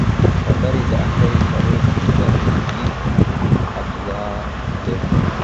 خبرې اترې څلور بنسټیز ابزار لري.